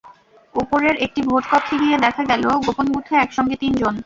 ওপরের একটি ভোট কক্ষে গিয়ে দেখা গেল, গোপন বুথে একসঙ্গে তিনজন।